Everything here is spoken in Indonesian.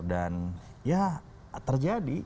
dan ya terjadi